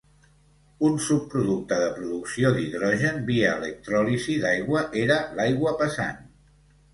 Un subproducte de producció d'hidrogen via electròlisi d'aigua era l'aigua pesant.